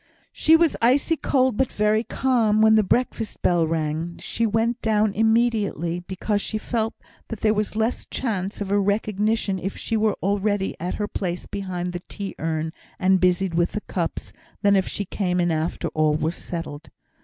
She was icy cold, but very calm, when the breakfast bell rang. She went down immediately; because she felt that there was less chance of a recognition if she were already at her place beside the tea urn, and busied with the cups, than if she came in after all were settled.